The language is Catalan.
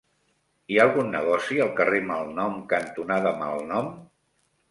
Hi ha algun negoci al carrer Malnom cantonada Malnom?